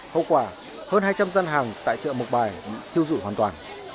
hậu quả hơn hai trăm linh dân hàng tại chợ mộc bài bị thiêu dụ hoàn toàn